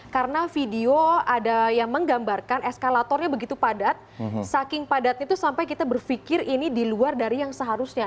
karena video ada yang menggambarkan eskalatornya begitu padat saking padat itu sampai kita berpikir ini di luar dari yang seharusnya